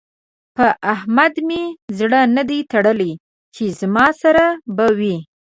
په احمد مې زړه نه دی تړلی چې زما سره به وي.